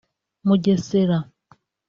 Mugesera